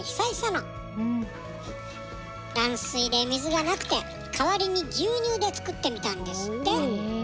断水で水がなくて代わりに牛乳で作ってみたんですって。